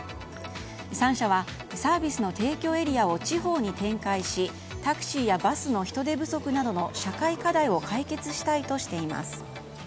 ３社はサービスの提供エリアを地方に展開しタクシーやバスの人手不足などの社会課題を解決したいとしています。